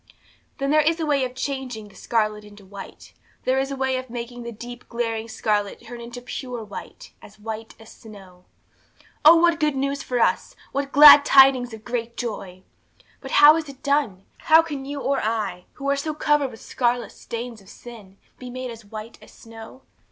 'Then there is a way of changing the scarlet into white; there is a way of making the deep, glaring scarlet turn into pure white, as white as snow. 'Oh, what good news for us! What glad tidings of great joy! 'But how is it done? How can you or I, who are so covered with scarlet stains of sin, be made as white as snow?